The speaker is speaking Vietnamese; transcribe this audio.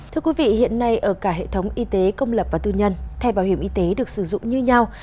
thưa quý vị hiện nay ở cả hệ thống y tế công lập và tư nhân thẻ bảo hiểm y tế được sử dụng như nhau